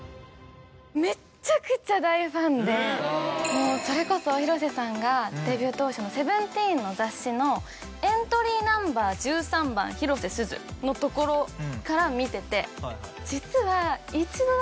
もうそれこそ広瀬さんがデビュー当初の『セブンティーン』の雑誌のエントリーナンバー１３番広瀬すずのところから見てて。